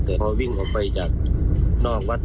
แต่พอวิ่งออกไปจากนอกวัด